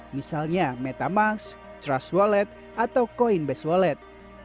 misalnya metamask trust wallet atau coinbase wallet